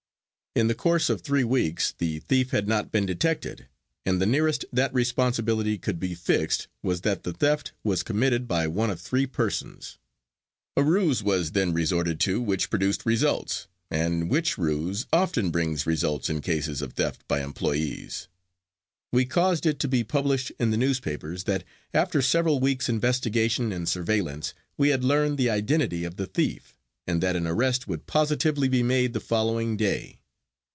In the course of three weeks the thief had not been detected, and the nearest that responsibility could be fixed was that the theft was committed by one of three persons. A ruse was then resorted to which produced results, and which ruse often brings results in cases of theft by employees. We caused it to be published in the newspapers that after several weeks investigation and surveillance we had learned the identity of the thief, and that an arrest would positively be made the following day.